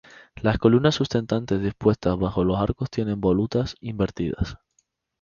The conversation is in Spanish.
Las columnas sustentantes dispuestas bajo los arcos tienen volutas invertidas.